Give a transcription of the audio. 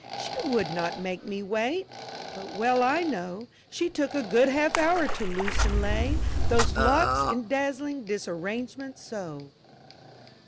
"She would not make me wait!" but well I know She took a good half hour to loose and lay Those locks in dazzling disarrangement so!